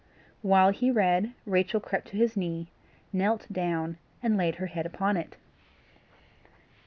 While he read Rachel crept to his knee, knelt down, and laid her head upon it.